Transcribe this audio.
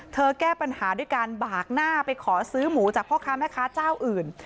แก้ปัญหาด้วยการบากหน้าไปขอซื้อหมูจากพ่อค้าแม่ค้าเจ้าอื่น